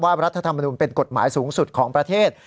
รัฐธรรมนุนเป็นกฎหมายสูงสุดของประเทศ